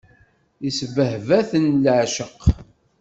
Isbehba-ten leɛceq.